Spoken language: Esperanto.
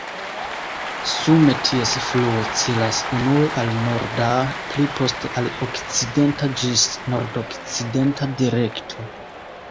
Sume ties fluo celas unue al norda, pli poste al okcidenta ĝis nordokcidenta direkto.